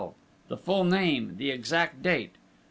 the full name, the exact date.